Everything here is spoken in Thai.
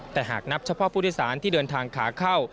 แต่หากนับเฉพาะผู้โดยสารที่เดินทางขาเข้า